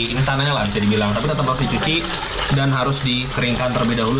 ini tanahnya lah bisa dibilang tapi tetap harus dicuci dan harus dikeringkan terlebih dahulu